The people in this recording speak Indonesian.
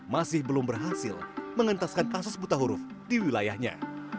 masih belum berhasil mengentaskan kasus buta huruf di wilayahnya